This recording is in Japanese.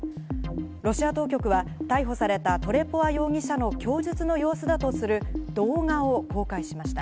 ロシア当局は逮捕されたトレポワ容疑者の供述の様子だとする動画を公開しました。